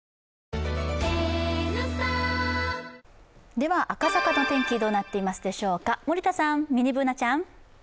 では、赤坂の天気どうなっていますでしょうか森田さん、ミニＢｏｏｎａちゃん。